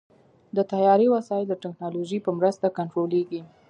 د طیارې وسایل د ټیکنالوژۍ په مرسته کنټرولېږي.